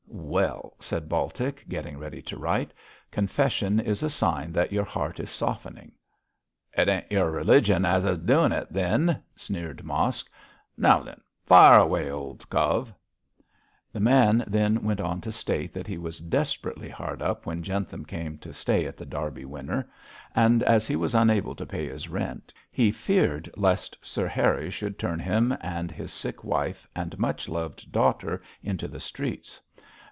'Well,' said Baltic, getting ready to write, 'confession is a sign that your heart is softening.' 'It ain't your religion as is doing it, then,' sneered Mosk. 'Now then, fire away, old cove.' The man then went on to state that he was desperately hard up when Jentham came to stay at The Derby Winner, and, as he was unable to pay his rent, he feared lest Sir Harry should turn him and his sick wife and much loved daughter into the streets.